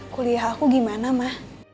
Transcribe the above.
kuliah aku gimana ma